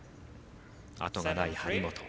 あとがない張本。